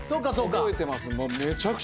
覚えてます。